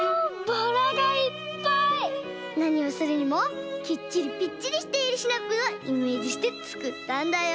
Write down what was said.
なにをするにもきっちりぴっちりしているシナプーをイメージしてつくったんだよ。